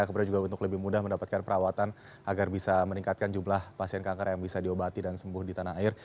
kemudian juga untuk lebih mudah mendapatkan perawatan agar bisa meningkatkan jumlah pasien kanker yang bisa diobati dan sembuh di tanah air